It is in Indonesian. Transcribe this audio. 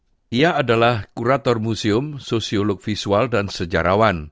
dia adalah kurator museum sosiolog visual dan sejarawan